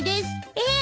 えっ！？